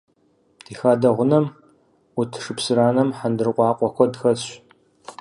Ди хадэ гъунэм Ӏут шыпсыранэм хьэндыркъуакъуэ куэд хэсщ.